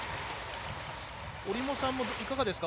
折茂さんもいかがですか？